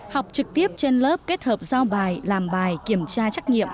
học trực tiếp trên lớp kết hợp giao bài làm bài kiểm tra trách nhiệm